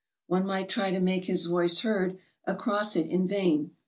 One might try to make his voice heard across it in vain.